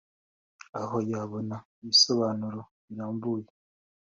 aho yabona ibisobanuro birambuye